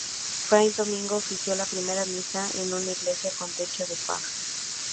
Fray Domingo ofició la primera misa en una iglesia con techo de paja.